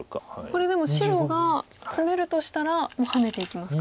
これでも白がツメるとしたらもうハネていきますか？